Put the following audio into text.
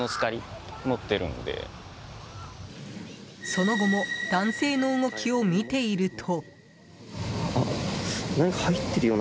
その後も男性の動きを見ていると。